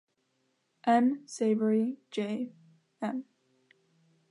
M. Savary, J.-M.